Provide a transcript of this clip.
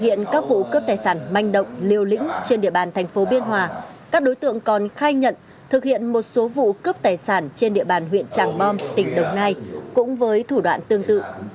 hiện các vụ cướp tài sản manh động liều lĩnh trên địa bàn thành phố biên hòa các đối tượng còn khai nhận thực hiện một số vụ cướp tài sản trên địa bàn huyện tràng bom tỉnh đồng nai cũng với thủ đoạn tương tự